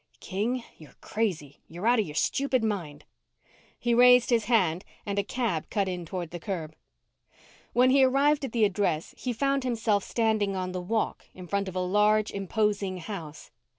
King, you're crazy. You're out of your stupid mind. He raised his hand and a cab cut in toward the curb. When he arrived at the address, he found himself standing on the walk in front of a large, imposing house.